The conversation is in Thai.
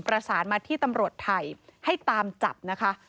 ประสานมาที่ตำรวจไทยให้ตามจับนะคะ